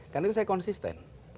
karena itu saya konsisten